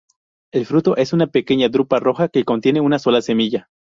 El fruto es una pequeña drupa roja que contiene una sola semilla.